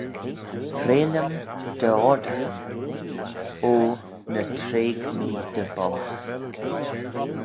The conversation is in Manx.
Freill-ym dty oardaghyn: O ny treig mee dy bollagh.